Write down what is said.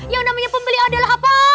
yang namanya pembeli adalah apa